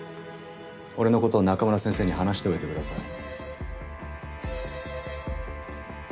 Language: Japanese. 俺の事を仲村先生に話しておいてください。